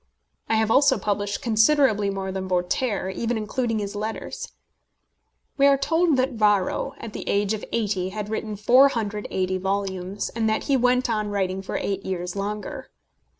I have also published considerably more than Voltaire, even including his letters. We are told that Varro, at the age of eighty, had written 480 volumes, and that he went on writing for eight years longer.